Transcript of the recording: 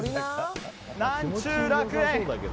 何ちゅう楽園！